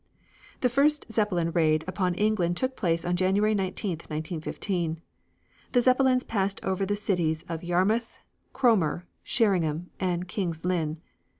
The first Zeppelin raid upon England took place on January 19, 1915. The Zeppelins passed over the cities of Yarmouth, Cromer, Sherringham and King's Lynn.